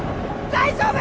大丈夫？